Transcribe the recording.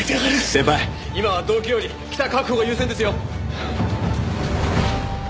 先輩今は動機より北確保が優先ですよ。